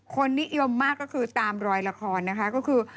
นิยมมากก็คือตามรอยละครนะคะก็คือ